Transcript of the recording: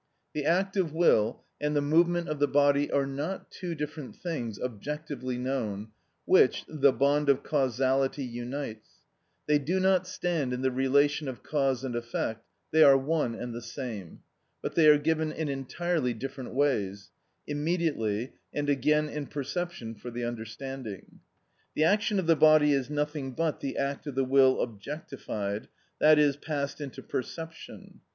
The act of will and the movement of the body are not two different things objectively known, which the bond of causality unites; they do not stand in the relation of cause and effect; they are one and the same, but they are given in entirely different ways,—immediately, and again in perception for the understanding. The action of the body is nothing but the act of the will objectified, i.e., passed into perception.